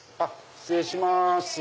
失礼します。